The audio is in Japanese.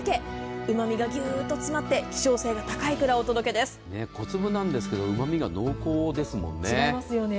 うま味がぎゅっと詰まって希少性が高いいくらを小粒なんですがうま味が濃厚ですもんね。